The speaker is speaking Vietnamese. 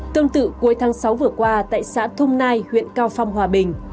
tương tự cuối tháng sáu vừa qua tại xã thung nai huyện cao phong hòa bình